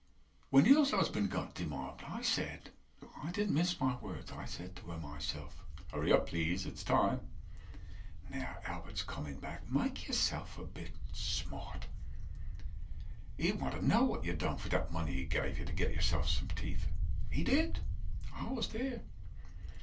When Lil's husband got demobbed, I said, I didn't mince my words, I said to her myself, 140 HURRY UP PLEASE ITS TIME Now Albert's coming back, make yourself a bit smart. He'll want to know what you done with that money he gave you To get yourself some teeth. He did, I was there.